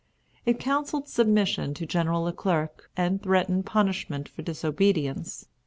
It counselled submission to General Le Clerc, and threatened punishment for disobedience.